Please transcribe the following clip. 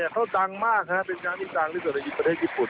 เขาดังมากเป็นน้ำที่ดังที่สุดในประเทศญี่ปุ่น